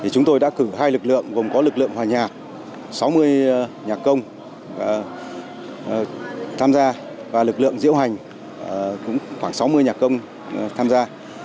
chúng tôi đã cử hai lực lượng gồm có lực lượng hòa nhạc sáu mươi nhà công tham gia và lực lượng diễu hành khoảng sáu mươi nhạc công tham gia